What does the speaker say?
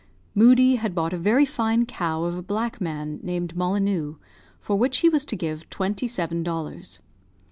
Moodie had bought a very fine cow of a black man, named Mollineux, for which he was to give twenty seven dollars.